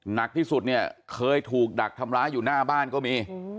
หนักที่สุดเนี่ยเคยถูกดักทำร้ายอยู่หน้าบ้านก็มี